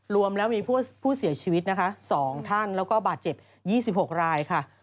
รวมแล้วมีผู้เสียชีวิตนะคะ๒ท่านแล้วก็บาดเจ็บ๒๖รายค่ะ